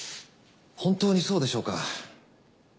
本当にそうでしょうか？